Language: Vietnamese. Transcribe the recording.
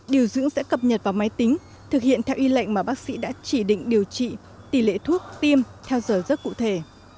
điều dưỡng sẽ cập nhật vào máy tính thực hiện theo y lệnh mà bác sĩ đã chỉ định điều trị tỷ lệ thuốc tiêm theo giờ rất cụ thể